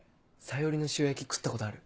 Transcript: サヨリの塩焼き食ったことある？